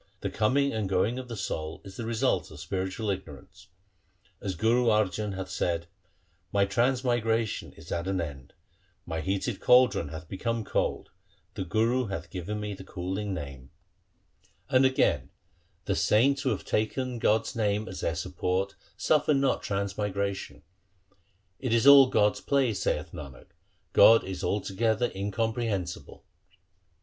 The coming and going of the soul is the result of spiritual ignorance. As Guru Arjan hath said :— My transmigration is at an end ; My heated caldron hath become cold ; the Guru hath given me the cooling Name. 3 1 Bilawa!. 2 Asa. 3 Maru. LIFE OF GURU HAR GOBIND 125 ' And again The saints who have taken God's name as their support suffer not transmigration. It is all God's play, saith Nanak ; God is altogether in comprehensible.'